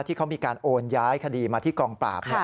ที่เขามีการโอนย้ายคดีมาที่กองปราบ